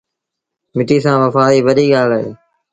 مٽيٚ سآݩ وڦآئيٚ وڏي ڳآل اهي۔